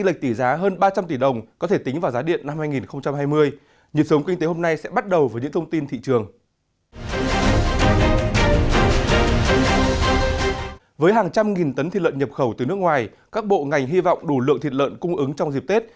với hàng trăm nghìn tấn thịt lợn nhập khẩu từ nước ngoài các bộ ngành hy vọng đủ lượng thịt lợn cung ứng trong dịp tết